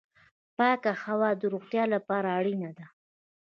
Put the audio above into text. پاکه هوا د روغتیا لپاره اړینه ده